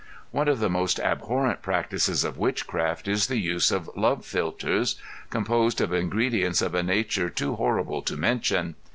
One of the most abhorrent practices of witchcraft is the use of Love Philters composed of ingredients of a nature too horrible to mention.